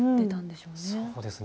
そうですね。